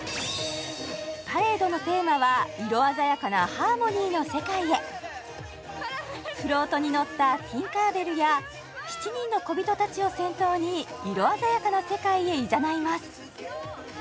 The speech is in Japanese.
パレードのテーマはフロートに乗ったティンカー・ベルや７人のこびとたちを先頭に色あざやかな世界へいざないます